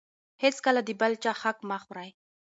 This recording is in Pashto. هېڅکله د بل چا حق مه خورئ.